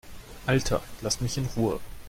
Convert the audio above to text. Alter, lass mich in Ruhe!